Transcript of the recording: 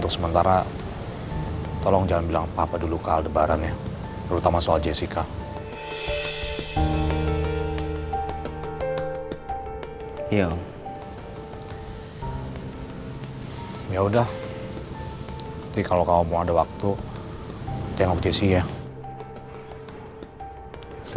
sampai jumpa di video selanjutnya